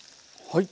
はい。